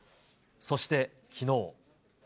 そしてきのう。